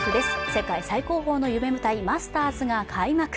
世界最高峰の夢舞台、マスターズが開幕。